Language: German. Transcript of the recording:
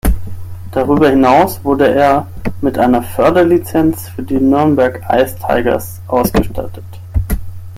Darüber hinaus wurde er mit einer Förderlizenz für die Nürnberg Ice Tigers ausgestattet.